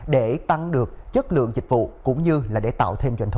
để tăng được chất lượng dịch vụ cũng như là để tạo thêm doanh thu